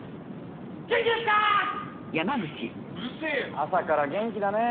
朝から元気だね。